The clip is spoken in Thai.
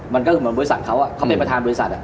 มันก็คือเหมือนบริษัทเขาเขาเป็นประธานบริษัท